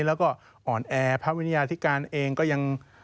แล้วก็อ่อนแอพระวิทยาธิการเองก็ยัง